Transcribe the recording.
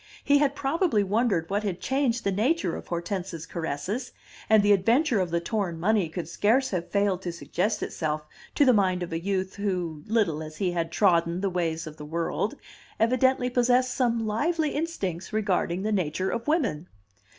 He had probably wondered what had changed the nature of Hortense's caresses, and the adventure of the torn money could scarce have failed to suggest itself to the mind of a youth who, little as he had trodden the ways of the world, evidently possessed some lively instincts regarding the nature of women.